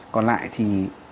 còn lại thì